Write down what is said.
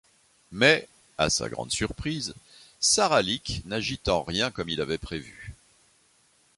Mais, à sa grande surprise, Sara Leek n'agit en rien comme il l'avait prévu.